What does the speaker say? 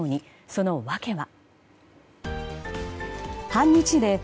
その訳は？